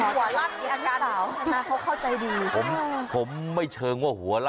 หัวลั่นอีกครั้ง